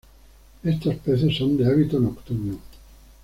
Estos peces son de hábito nocturno.